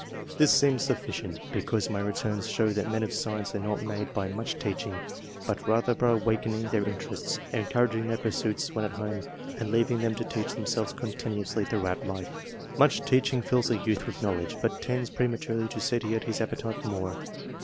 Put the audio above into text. This seems sufficient, because my returns show that men of science are not made by much teaching, but rather by awakening their interests, encouraging their pursuits when at home, and leaving them to teach themselves continuously throughout life. Much teaching fills a youth with knowledge, but tends pre maturely to satiate his appetite for more.